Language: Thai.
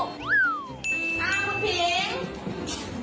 อ่าคุณผิง